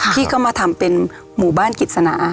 พี่ก็มาทำเป็นหมู่บ้านกิจสนา